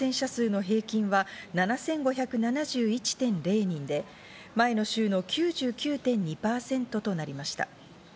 直近７日間の感染者数の平均は７５７１．０人で、前の週の９９．２％となりました。